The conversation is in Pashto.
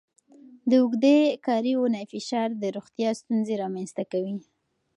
د اوږدې کاري اونۍ فشار د روغتیا ستونزې رامنځته کوي.